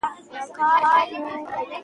زه له كومه راوړم صبوري او تحمل